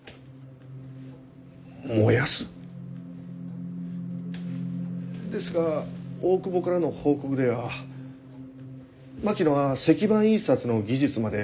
燃やす？ですが大窪からの報告では槙野は石版印刷の技術まで習得したそうです。